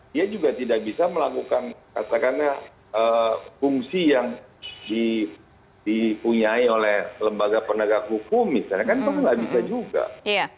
dia juga tidak bisa melakukan katakanlah fungsi yang dipunyai oleh lembaga penegak hukum misalnya kan itu nggak bisa juga